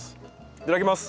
いただきます！